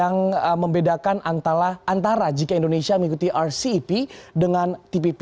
nah antara jika indonesia mengikuti rcep dengan tpp